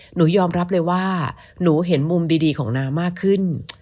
หนูยอมรับเลยว่าหนูเห็นมุมดีของน้ามากขึ้น